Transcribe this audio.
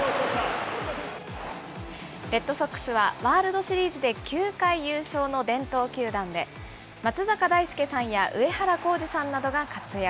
レッドソックスはワールドシリーズで９回優勝の伝統球団で、松坂大輔さんや上原浩治さんなどが活躍。